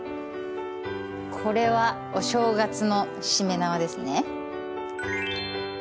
これはお正月のしめ縄ですね。